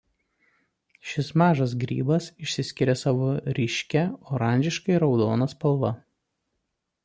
Šis mažas grybas išsiskiria savo ryškia oranžiškai raudona spalva.